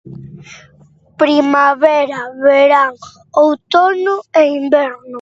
Primavera, verán, outono e inverno.